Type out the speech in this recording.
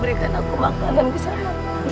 berikan aku makanan nisana